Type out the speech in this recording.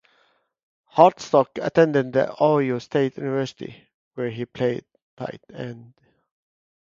Hartsock attended the Ohio State University, where he played tight end.